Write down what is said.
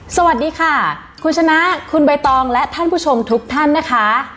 สวัสดีค่ะคุณชนะคุณใบตองและท่านผู้ชมทุกท่านนะคะ